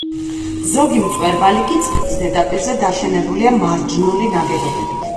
ზოგი მწვერვალი კი წყლის ზედაპირზე დაშენებულია მარჯნული ნაგებობებით.